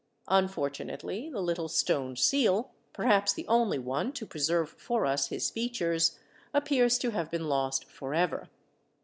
Unfortunately, the little stone seal, perhaps the only one to preserve for us his fea tures, appears to have been lost for ever.